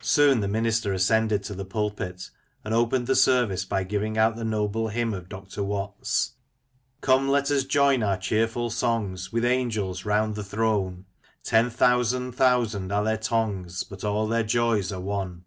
Soon the minister ascended the pulpit, and opened the service by giving out the noble hymn of Dr. Watts : Come, let us join our cheerful songs With angels round the throne ; Ten thousand thousand are their tongues. But all their joys are one.